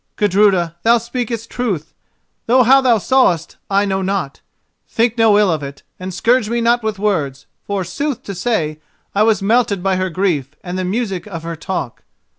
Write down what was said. "Gudruda, thou speakest truth, though how thou sawest I know not. Think no ill of it, and scourge me not with words, for, sooth to say, I was melted by her grief and the music of her talk."